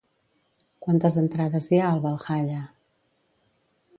Quantes entrades hi ha al Valhalla?